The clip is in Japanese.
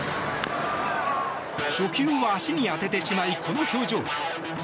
初球を足に当ててしまいこの表情。